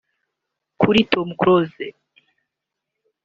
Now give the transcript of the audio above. Kuri Tom Close